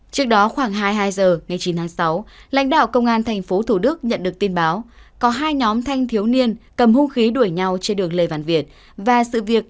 trước đó khoảng hai mươi hai h ngày chín tháng sáu lãnh đạo công an tp thủ đức nhận được tin báo có hai nhóm thanh thiếu niên cầm hung khí đuổi nhau trên đường lê văn việt và sự việc